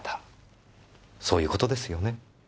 そういう事ですよね？